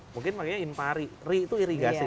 mungkin makanya inpari ri itu irigasi